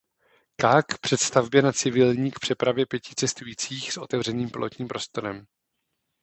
K. k přestavbě na civilní k přepravě pěti cestujících s otevřeným pilotním prostorem.